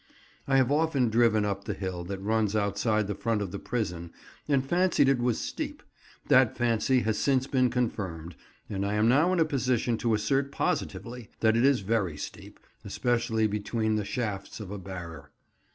I have often driven up the hill that runs outside the front of the prison and fancied it was steep; that fancy has since been confirmed, and I am now in a position to assert positively that it is very steep, especially between the shafts of a "barrer."